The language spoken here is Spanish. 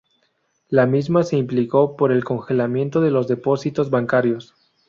La misma se implicó por el congelamiento de los depósitos bancarios.